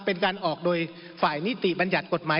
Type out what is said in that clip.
เป็นการออกโดยฝ่ายนิติบัญญัติกฎหมาย